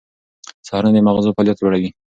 سهارنۍ د مغزو فعالیت لوړوي.